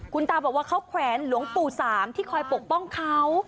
คุณตาบอกว่าเขาแขวนหลวงปู่สามที่คอยปกป้องเขา